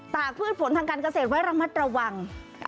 กพืชผลทางการเกษตรไว้ระมัดระวัง